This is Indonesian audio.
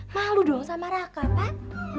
malu dong sama raka kan